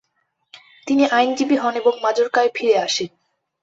তিনি আইনজীবী হন এবং মাজোর্কায় দিরে আসেন।